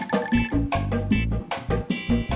bukan nasi bungkus